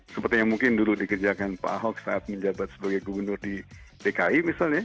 seperti yang mungkin dulu dikerjakan pak ahok saat menjabat sebagai gubernur di dki misalnya